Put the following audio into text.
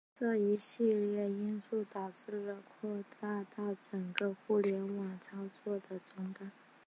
这一系列因素导致了扩大到整个互联网范围操作的中断。